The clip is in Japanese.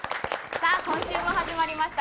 さあ今週も始まりました